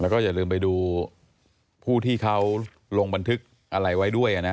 แล้วก็อย่าลืมไปดูผู้ที่เขาลงบันทึกอะไรไว้ด้วยนะ